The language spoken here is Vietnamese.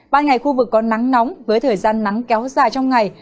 ban ngày khu vực có nắng nóng với thời gian nắng kéo dài trong ngày